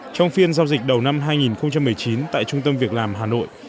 trong phiên giao dịch đầu năm hai nghìn một mươi chín tại trung tâm việc làm hà nội